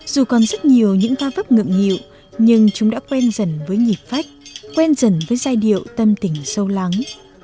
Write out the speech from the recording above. dù còn rất nhiều những ca vấp ngợm nhiều nhưng chúng đã quen dần với nhịp phách quen dần với giai điệu tâm tỉnh sâu lắng